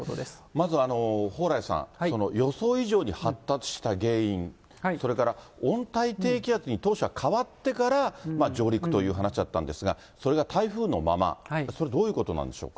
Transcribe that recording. まず、蓬莱さん、予想以上に発達した原因、それから温帯低気圧に当初は変わってから上陸という話だったんですが、それが台風のまま、それはどういうことなんでしょうか。